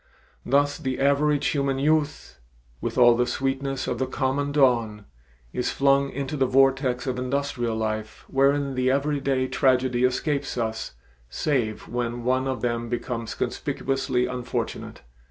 Thus the average human youth, "With all the sweetness of the common dawn," is flung into the vortex of industrial life wherein the everyday tragedy escapes us save when one of them becomes conspicuously unfortunate.